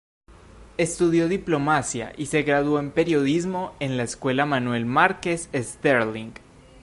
Estudió diplomacia y se graduó en periodismo en la Escuela Manuel Márquez Sterling.